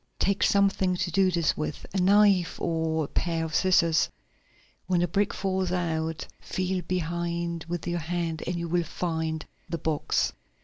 Take something to do this with, a knife or a pair of scissors. When the brick falls out, feel behind with your hand and you will find the box."